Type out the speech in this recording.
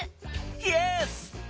イエス！